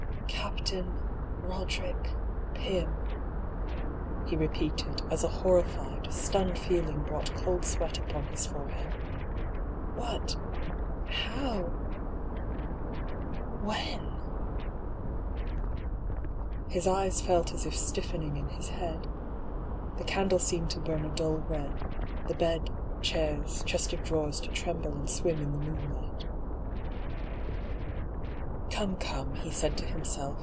" Captain — Roderick — Pym," he repeated, as a hor rified, stunned feeling brought cold sweat upon his fore head. " What — how — when ?" His eyes felt as if stiffening in his head. The candle seemed to bum a dull red; the bed, chairs, chest of drawers to tremble and swim in the moonlight. 68 DR. PAULL'S THEORY. " Come, come,*' he said to himself.